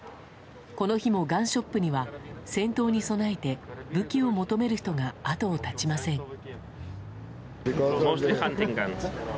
この日もガンショップには戦闘に備えて武器を求める人が後を絶ちません。